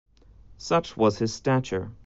Such was his stature.